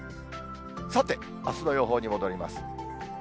さて、あすの予報に戻ります。